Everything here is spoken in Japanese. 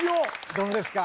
どうですか？